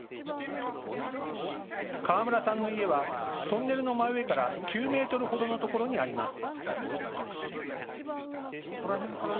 河村さんの家はトンネルの真上から９メートルほどの所にあります。